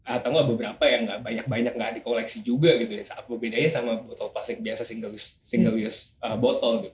atau nggak beberapa yang gak banyak banyak nggak di koleksi juga gitu ya aku bedain sama botol plastik biasa single use botol gitu